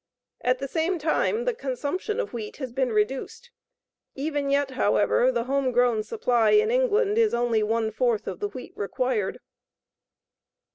At the same time the consumption of wheat has been reduced. Even yet, however, the home grown supply in England is only one fourth of the wheat required.